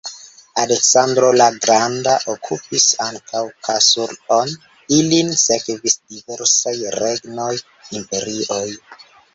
Aleksandro la Granda okupis ankaŭ Kasur-on, ilin sekvis diversaj regnoj, imperioj.